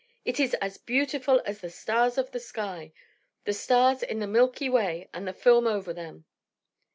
"It is as beautiful as the stars of the sky, the stars in the milky way with the film over them."